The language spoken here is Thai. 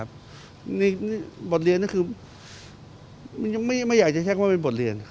บทเรียนก็คือไม่อยากจะแช็กว่าเป็นบทเรียน